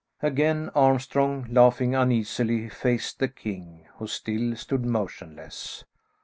Again Armstrong, laughing uneasily, faced the king, who still stood motionless.